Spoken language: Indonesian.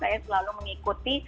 saya selalu mengikuti